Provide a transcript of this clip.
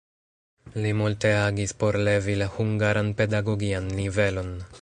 Li multe agis por levi la hungaran pedagogian nivelon.